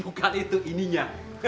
bukan itu ininya